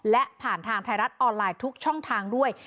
และผ่านทางไทยรัฐออนไลน์ทุกช่องทางด้วย